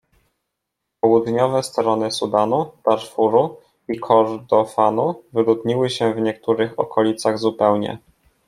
Południowe strony Sudanu, Darfuru i Kordofanu wyludniły się w niektórych okolicach zupełnie.